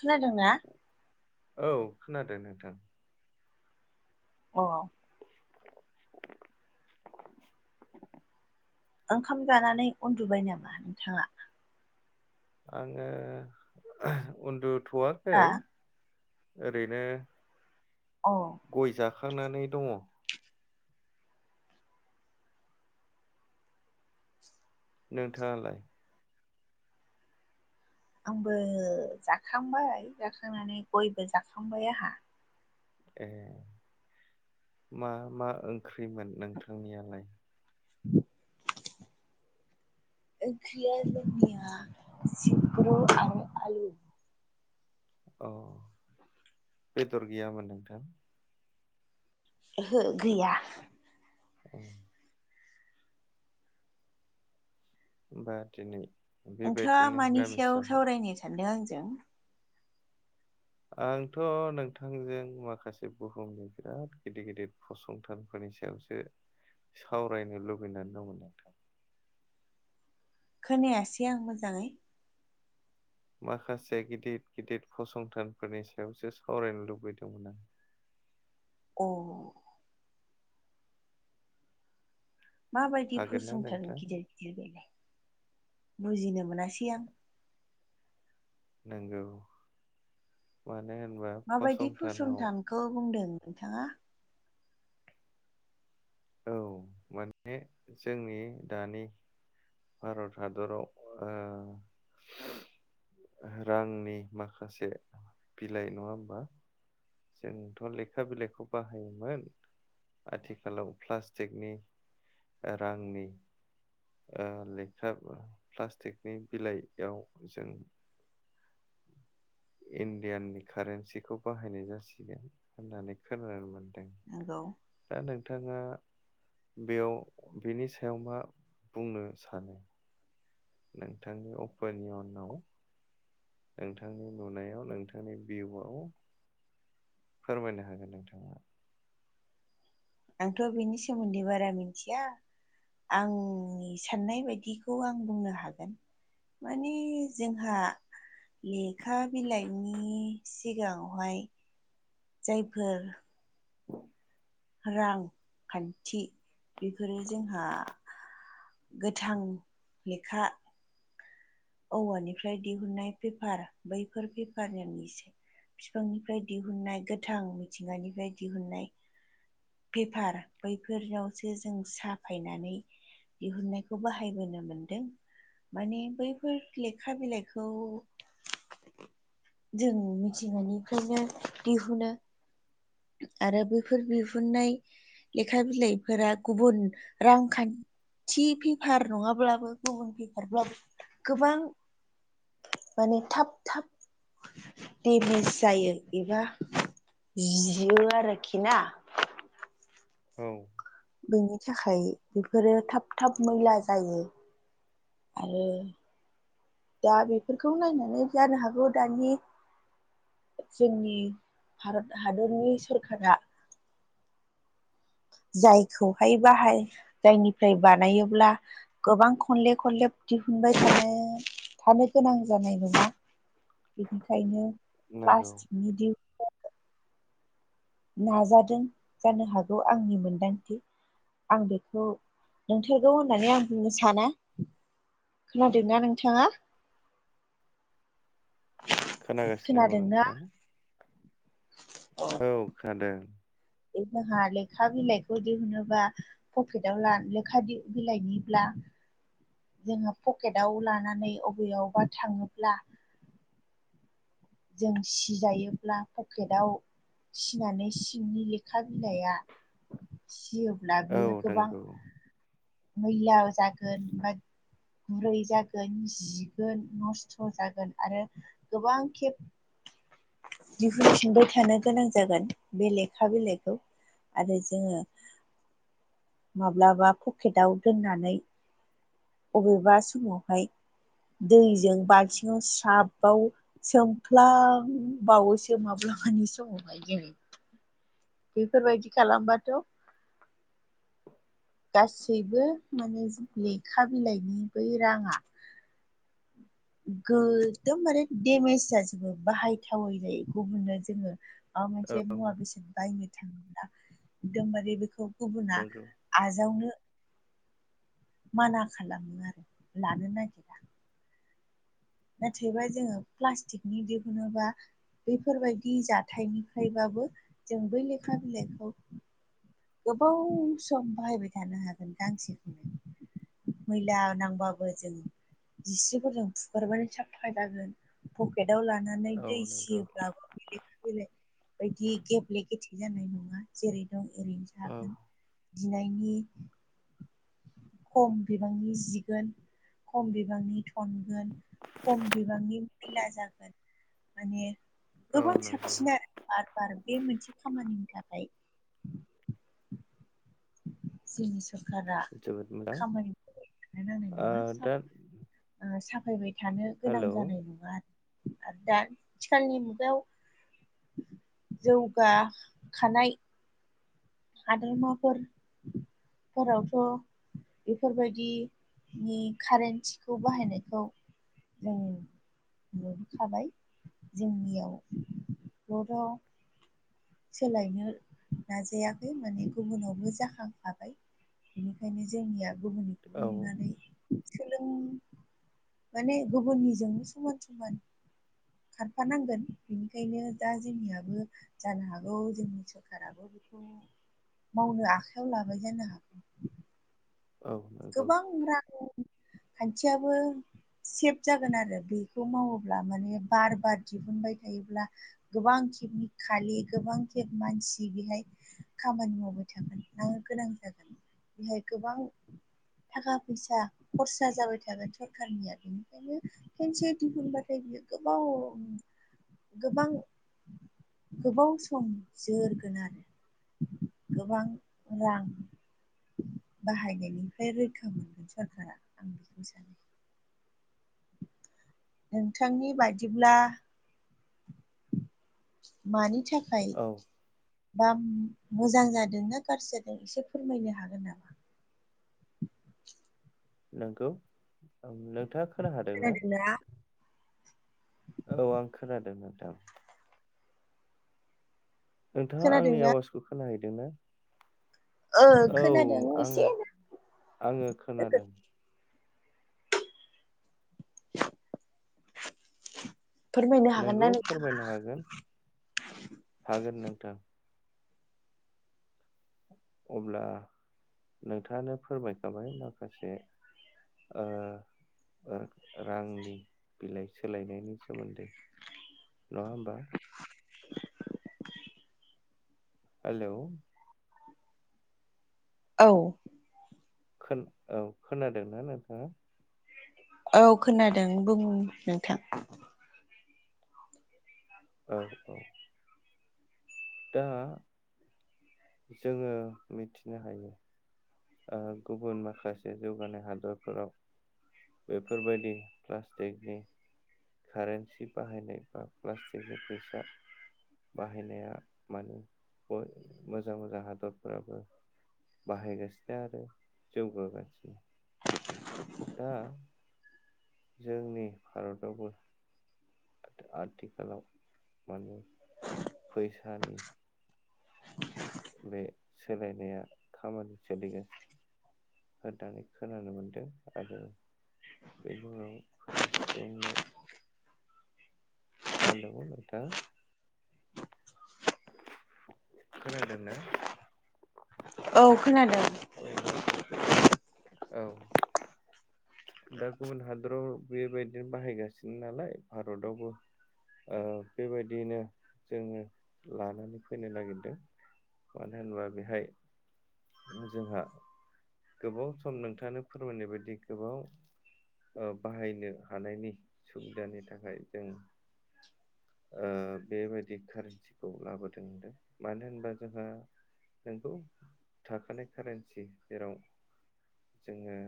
खोनादों ना औ खोनादों नोंथां अ ओंखाम जानानै उन्दुबाय नामा नोंथाङा आङो उन्दुथ'वाखै हा ओरैनो अ गय जाखांनानै दङ नोंथाङालाय आंबो जाखांबाय जाखांनानै गयबो जाखांबाय आंहा ए मा मा ओंख्रिमोन नोंथांनियालाय [inaudible] ओंख्रिया जोंनिया सिब्रु आरो आलु अ बेदर गैयामोन नोंथां ओहो गैया [inaudible] होमबा दिनै नोंथाङा बेबायदिनो मानि निरामिस सायाव जाबाय सावरायनो सानदों आंजों आंथ' नोंथांजों माखासे बुहुमनि बिराद गिदिर गिदिर फसंथानफोरनि सायावसो सावरायनो लुबैनानै दंमोन नोंथां खोनायासै आं मोजाङै माखासे गिदिर गिदिर फसंथानफोरनि सायावसो सावरायनो लुबैदोंमोन आं अ माबायदि हागोन ना फसंथान नोंथां? गिदिर गिदिर बेलाय बुजिनो मोनासै आं नंगौ मानो होनबा फसंथानाव बेखौ बुंदों नोंथाङा औ माने जोंनि दानि भारत हादराव रांनि माखासे बिलाइ नङा होमबा जोंथ' लेखा बिलाइखौ बाहायोमोन आथिखालाव प्लास्टिकनि रांनि लेख्रा प्लास्टिकनि बिलाइयाव जों [inaudible] इण्डियाननि कारेन्सिखौ बाहायनाय जसिग सिगोन होननानै खोनानो मोन्दों नंगौ दा नोंथाङा बेयाव बेनि सायाव मा बुंनो सानो नोंथांनि अप'नि उनाव नोंथांनि नुनायाव नोंथांनि भिउआव फोरमायनो हागोन नोंथाङा। आंथ' बेनि सोमोन्दै बारा मिथिया। आंनि साननाय बायदिखौ आं बुंनो हागोन। माने जोंहा लेखा बिलाइनि सिगाङावहाय जायफोर रां खान्थि बेफोरो जोंहा गोथां लेखा औवानिफ्राय दिहुननाय पेफार बैफोर पेफारनि [inaudible] फिफांनिफ्राय दिहुननाय गोथां मिथिंगानिफ्राय दिहुननाय पेफार बैफोरावसो जों साफायनानै दिहुननायखौ बाहायबोनो मोनदों माने बै फोर लेखा बिलाइखौ जों मिथिंगानिफ्रायनो दिहुनो। आरो बैफोर बिहुननाय लेखा बिलाइफोरा गुबुन रांखान थि फेफार नङाब्लाबो गुबुन पेफारब्लाबो गोबां माने थाब थाब देमेज जायो एबा जियो आरोखि ना? औ बेनि थाखाय बिफोरो थाब थाब मैला जायो। आरो दा बिफोरखौ नायनानै जानो हागौ दानि जोंनि भारत हादरनि सोरखारा जायखौहाय बाहाय जायनिफ्राय बानायोब्ला गोबां खनले खनले दिहुनबाय थानो थानो गोनां जानाय नङा बेनिखायनो नंगौ प्लास्टिकनि दि नाजादों जानो हागौ आंनि मोनदांथि। आं बेखौ नंथारगौ होननानै आं बुंनो साना। खोनादोंना नोंथाङा [inaudible] खोनागासिनो औ खोनादोंना नोंथां। औ खोनादों। बे जोंहा लेखा बिलाइखौ दिहुनोबा फकेदाव ला लेखा बि-बिलाइनिब्ला जोंहा पकेदाव लानानै अबेयावबा थाङोब्ला जों सिजायोब्ला पकेदाव सिनानै सिंनि लेखा बिलाइया सियोब्ला औ बियो गोबां नंगौ मैला जागोन बा गुरै जागोन जिगोन नस्थ' जागोन आरो गोबां खेब दिहुनफिनबाय थानो गोनां जागोन बे लेखा बिलाइखौ। आरो जोङो माब्लाबा पकेदाव दोननानै अबेबा समावहाय दैजों बालथिङाव स्राबाव सोमफ्लां बावोसो माब्लाबानि समावहाय जोङो। बेफोरबायदि खालामबाथ' गासैबो माने लेखा बिलाइनि बै राङा गो दोम माने देमेज जाजोबो बाहायथावै जायो गुबुननो जोङो आ मोनसे औ मुवा बेसेाद बायनो थाङोब्ला एकदमबारे बेखौ गुबुना नंगौ आजावनो माना खालामो आरो लानो नागिरा। नाथायबा जोङो प्लास्टिकनि दिहुनोबा बेफोरबायदि जाथायनिफ्रायबाबो जों बै लेखा बिलाइखौ गोबाव सम बाहायबाय थानो हागोन गांसेखौनो मैला नांबाबो जों जिस्रिफोरजों फुगारबानो साफा जागोन पकेटाव लानानै औ दै नंगौ फियोब्लाबो बेलेखा बेलेग बायदि गेब्ले गेथे जानाय नङा जेरै दं ओरैनो औ। दिनायनि खम बिबांनि जिगोन। खम बिबांनि थनगोन खम बिबांनि मैला जागोन। माने औ गोबां नंगौ साबसिना बार बार बे मोनसे खामानिनि थाखाय जोंनि सरखारारा जोबोद मोजां खामानिफोरखौ रानाय ओ नङा स दा ओ साफायबाय थानो गोनां हेलौ जानाय नङा आरो आरो दा आथिखालनि मुगायाव जौगाखानाय हादोरमाफोर फोरावथ' बेफोरबायदिनि कारेन्टिखौ बाहायनायखौ जों बोखाबाय जोंनियाव बरथ' सोलायनो नाजायाखै माने गुबुनावबो जाखांफाबाय। बेनिखायनो जोंनिया गुबुननिखौबो औ नुनानै सोलों [inaudible] माने गुबुननिजोंनो समान समान खारफानांगोन। बेनिखायनो दा जोंनियाबो जानो हागौ जोंनि सरखाराबो बेखौ मावनो आखायाव लाबाय जानो हागौ। औ नंगौ गोबां रां खान्थियाबो सेभ जागोन आरो बेखौ मावोब्ला माने बार बार दिहुनबाय थायोब्ला‌। गोबां खेबनि खालि गोबां खेब मानसि बेहाय खामानि मावबाय थागोन लांनो गोनां जागोन बेहाय गोबां थाखा फैसा खरसा जाबाय थागोन सरखारनिया बेनिखायनो खेनसे दिहुनबाथाय बियो गोबाव गोबां गोबाव सम जोरगोन आरो। गोबां रां बाहायनायनि ओमफ्राय रैखा मोनगोन सरकारा आं बेखौनो सानो। नोंथांनि बायदिब्ला मानि थाखाय औ बा मोजां जादोंना गाज्रि जादों एसे फोरमायनो हागोन नामा? नोंगौ नोंथाङा खोना हादों ना? [inaudible] खोनादोंना औ आं खोनादों नोंथां। नोंथाङा आंनि खोनादोंना आवाजखौ खोनाहैदों न? ओ [inaudible] औ खोनादों एसे आङो [inaudible] आङो खोनादों। फोरमायनो हागोन नोंगौ ना फोरमायनो हागोन [inaudible] हागोन नोंथां। अब्ला नोंथाङानो फोरमायखाबाय माखासे ओ ओ रांनि बिलाइ सोलायनायनि सोमोन्दै नङा होमबा। [inaudible] आलौ। औ। खोन औ खोनादोंना नोंथाङा? औ खोनादों बुं नोंथां। औ औ। दा [inaudible] जोङो मिथिनो हायो ओ गुबुन माखासे जौगानाय हादरफोराव बेफोरबायदि प्लास्टिकनि कारेन्सि बाहायनाय बा प्लास्टिकनि फैसा बाहायनाया माने मोजां मोजां हादरफोराबो बाहायगासिनो आरो जौगागासिनो दा जोंनि भारताआवबो आथिखालाव माने फैसानि [inaudible] बे सोलायनाया खामानि सोलिगासिनो होननानै खोनानो मोनदों आरो बेनि उनाव फैनाय [unintelligible] हेलौ नोंथां खोनादों ना? औ खोनादों [inaudible] औ दा गुबुन हादराव बेबायदिनो बाहायगासिनो नालाय भारतआवबो बेबायदियैनो जोङो लानानै फैनो नागिरदों मानो होनोबा बेहाय जोंहा गोबाव सम नोंथाङानो फोरमायनाय बायदि गोबाव बाहायनो हानायनि सुबिदानि थाखाय जों ओ बेबायादि कारेन्सिखौ लाबोदों होनदों मानो होनबा जोंहा [unintelligible] थाखानाय कारेन्सि जेराव जोङो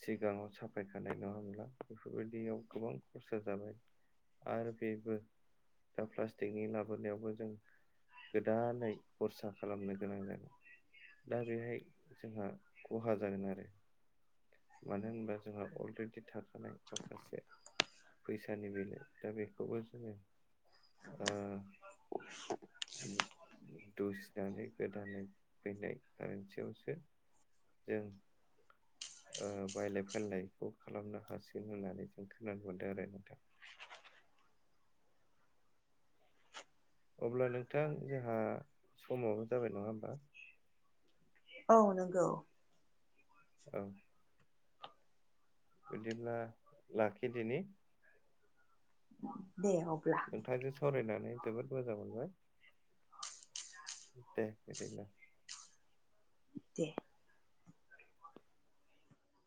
सिगाङाव साफायखानाय नङाब्ला बेफोरबायदियाव गोबां खरसा जाबाय आरो बेबो दा प्लास्टिकनि लाबोनायावबो जों गोदानै खरसा खालामनो गोनां जादों दा बेहाय जोंहा खहा जागोन आरो मानो होनबा जोंहा अलरेडि थाखानाय माखासे फैसानि बेलाइ दा बेखौबो जोङो ओ दुसिनानै गोदानै फैनाय कारेनसियावसो जों ओ बायलाय फानलायखौ खालामनो हासिगोन होननानै जों खोनानो मोनदों आरो नोंथां अब्ला नोंथां जोंहा समाबो जाबाय नङा होमबा? औ नंगौ औ बिदिब्ला लाखिदिनि दे अब्ला नोंथांजों सावरायनानै जोबोद मोजां मोनबाय दे बिदिब्ला दे